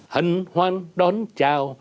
hân hoan đón chào